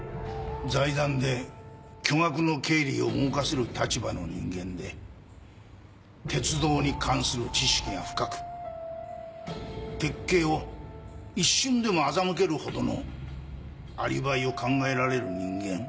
財団で巨額の経理を動かせる立場の人間で鉄道に関する知識が深く鉄警を一瞬でも欺けるほどのアリバイを考えられる人間。